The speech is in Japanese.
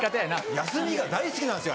休みが大好きなんですよ